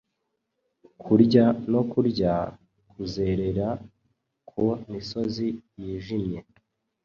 Kurya no kurya, kuzerera ku misozi yijimye